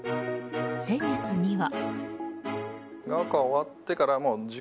先月には。